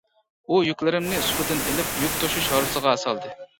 ئۇ يۈكلىرىمنى سۇپىدىن ئېلىپ، يۈك توشۇش ھارۋىسىغا سالدى.